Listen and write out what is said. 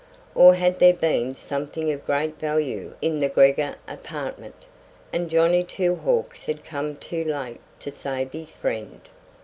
Or had there been something of great value in the Gregor apartment, and Johnny Two Hawks had come too late to save his friend?